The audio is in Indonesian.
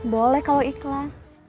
boleh kalau ikhlas